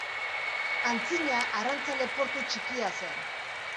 Antzina arrantzale portu txikia zen.